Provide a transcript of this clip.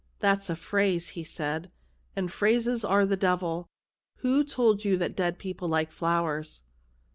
"That's a phrase," he said, "and phrases are the devil. Who told you that dead people like flowers